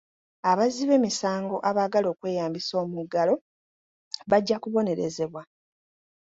Abazzi b'emisango abaagala okweyambisa omuggalo bajja kubonerezebwa.